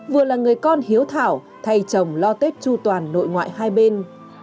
vừa là người con hiếu thảo thay chồng lo tết chu toàn nội ngoại hai bên